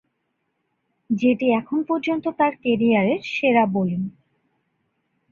যেটি এখন পর্যন্ত তার ক্যারিয়ারের সেরা বোলিং।